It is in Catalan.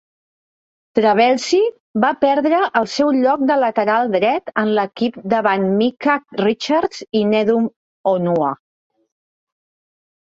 Trabelsi va perdre el seu lloc de lateral dret en l'equip davant Micah Richards i Nedum Onuoha.